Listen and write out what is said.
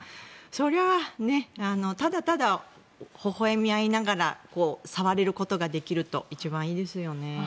それはただただほほ笑み合いながら触れることができると一番いいですよね。